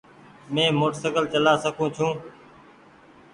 مينٚ موٽرسئيڪل چآلا سڪوُن ڇوٚنٚ